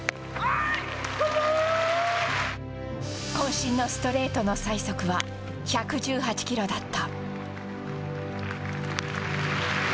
渾身のストレートの最速は１１８キロだった。